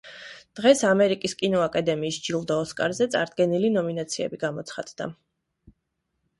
დღეს ამერიკის კინოაკადემიის ჯილდო „ოსკარზე“ წარდგენილი ნომინაციები გამოცხადდა.